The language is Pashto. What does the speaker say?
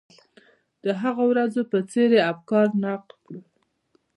د هغو ورځو په څېر یې افکار نقد کړل.